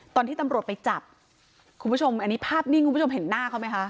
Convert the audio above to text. ตอนที่ตำรวจไปจับคุณผู้ชมอันนี้ภาพนิ่งคุณผู้ชมเห็นหน้าเขาไหมคะ